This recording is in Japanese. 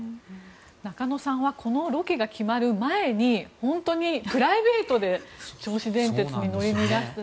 中野さんはこのロケが決まる前に本当にプライベートで銚子電鉄に乗りにいらして。